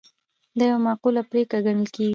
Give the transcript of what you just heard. دا یوه معقوله پرېکړه ګڼل کیږي.